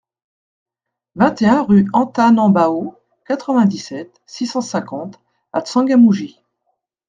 vingt et un rue Antanambao, quatre-vingt-dix-sept, six cent cinquante à M'Tsangamouji